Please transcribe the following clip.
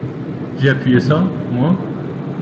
J’ai appuyé ça, moi…